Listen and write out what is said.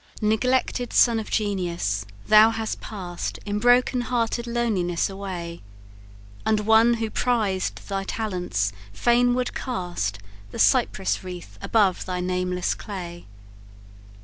"Neglected son of genius! thou hast pass'd In broken hearted loneliness away; And one who prized thy talents, fain would cast The cypress wreath above thy nameless clay.